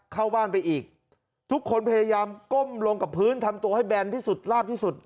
เข้าบ้านไปอีกทุกคนพยายามก้มลงกับพื้นทำตัวให้แบนที่สุดลาบที่สุด